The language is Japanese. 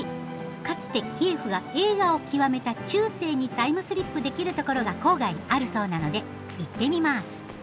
かつてキエフが栄華を極めた中世にタイムスリップできるところが郊外にあるそうなので行ってみます。